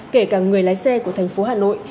kể cả người lái xe của thành phố hà nội